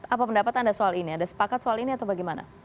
apa pendapat anda soal ini ada sepakat soal ini atau bagaimana